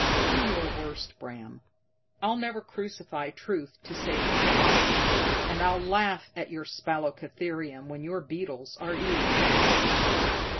Do your worst, Bram, I'll never crucify truth to save my life. And I'll laugh at your spalacotherium when your beetles are eating me."